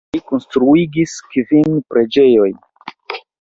Li konstruigis kvin preĝejojn.